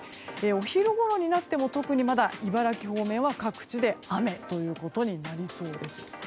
お昼ごろになっても特にまだ茨城の方面は各地で雨ということになりそうです。